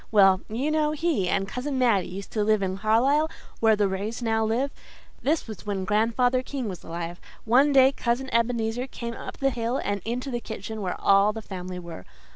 Well, you know he and Cousin Mattie used to live in Carlisle, where the Rays now live. This was when Grandfather King was alive. One day Cousin Ebenezer came up the hill and into the kitchen where all the family were.